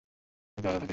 নাকি আলাদা থাকে?